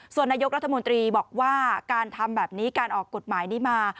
ส่วนนายกรัฐมนตรีบอกว่าการทำแบบนี้การออกกฎหมายนี้มา